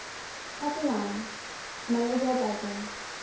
CHAPTER IX. MADEMOISELLE BESLIN.